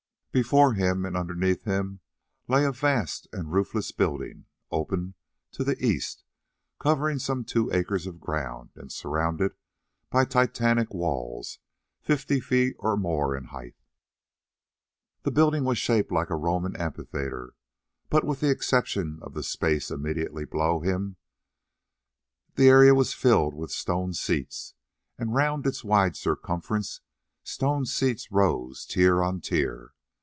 Before him and underneath him lay a vast and roofless building, open to the east, covering some two acres of ground, and surrounded by Titanic walls, fifty feet or more in height. This building was shaped like a Roman amphitheatre, but, with the exception of the space immediately below him, its area was filled with stone seats, and round its wide circumference stone seats rose tier on tier.